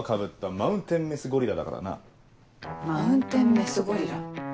マウンテンメスゴリラ。